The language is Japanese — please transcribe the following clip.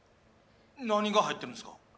何が入ってるんですか？